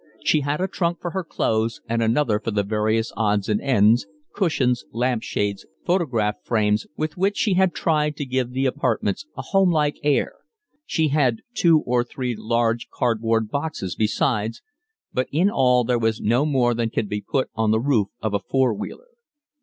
She had a trunk for her clothes and another for the various odds and ends, cushions, lampshades, photograph frames, with which she had tried to give the apartments a home like air; she had two or three large cardboard boxes besides, but in all there was no more than could be put on the roof of a four wheeler.